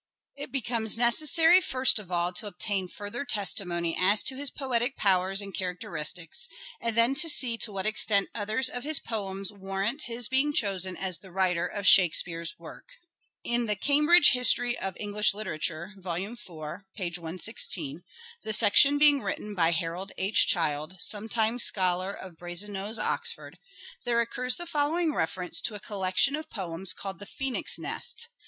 It becomes necessary first of all to obtain further testimony as to his poetic powers and characteristics, and then to see to what extent others of his poems warrant his being chosen as the writer of Shakespeare's work. In the " Cambridge History of English Literature " (vol. iv, p. 116) — the section being written by Harold H. Child, sometime scholar of Brasenose, Oxford — there occurs the following reference to a collection of poems called " The Phoenix' Nest."